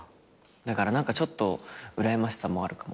だから何かちょっとうらやましさもあるかも。